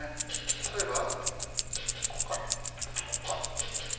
例えばここかここか。